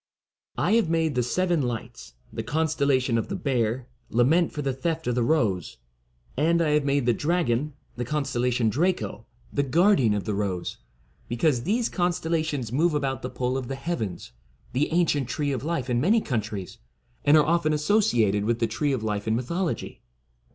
I have made the Seven Lights, the constel lation of the Bear, lament for the theft of the Rose, and I have made the Dragon, the con stellation Draco, the guardian of the Rose, be cause these constellations move about the pole of the heavens, the ancient Tree of Life in many countries, and are often associated with the Tree of Life in mythology.